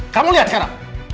kamu lihat sekarang